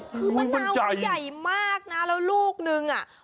คือมะนาวใหญ่มากนะแล้วลูกหนึ่ง